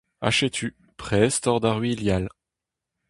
Ha setu, prest oc'h da ruilhal !